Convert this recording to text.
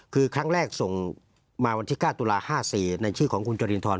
คือครั้งแรกส่งมาวันที่๙ตุลา๕๔ในชื่อของคุณจรินทร